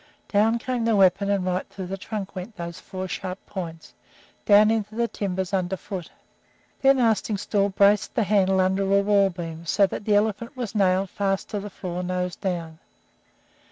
Down came the weapon, and right through the trunk went those four sharp points, down into the timbers under foot. Then Arstingstall braced the handle under a wall beam, so that the elephant was nailed fast to the floor, nose down.